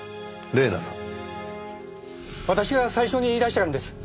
私が最初に言い出したんです。